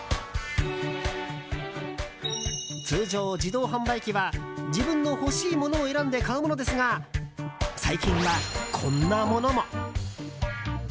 通常、自動販売機は自分の欲しいものを選んで買うものですが最近は、こんなものも。